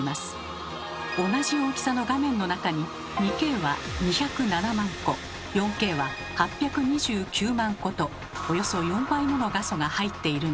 同じ大きさの画面の中に２Ｋは２０７万個４Ｋは８２９万個とおよそ４倍もの画素が入っているのです。